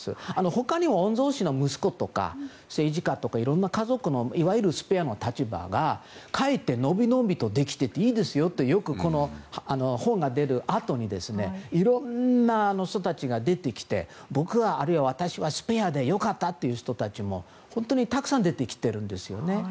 他に御曹司の息子とか政治家とかいろんな家族のいわゆるスペアの立場がかえって、のびのびとできていていいですよと本が出るあとにいろんな人たちが出てきて僕は、あるいは私はスペアで良かったという人たちが本当にたくさん出てきているんですよね。